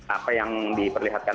apa yang diperlihatkan